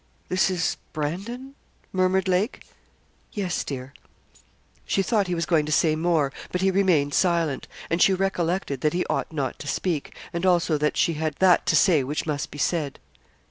'This is Brandon?' murmured Lake. 'Yes, dear.' She thought he was going to say more, but he remained silent, and she recollected that he ought not to speak, and also that she had that to say which must be said.